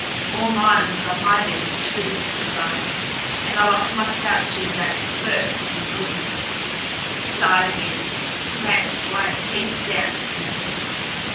"All mine was on my beast, too," he sighed. "And I lost my pouch in that spurt from the ruins." He sighed again, clamped white teeth down upon the stem.